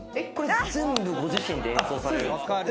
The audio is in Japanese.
全部ご自身で演奏されるんですか？